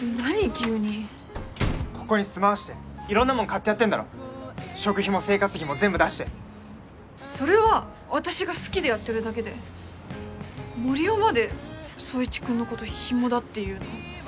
急にここに住まわせて色んなもん買ってやってんだろ食費も生活費も全部出してそれは私が好きでやってるだけで森生まで宗一君のことヒモだっていうの？